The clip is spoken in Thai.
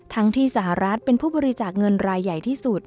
ที่สหรัฐเป็นผู้บริจาคเงินรายใหญ่ที่สุด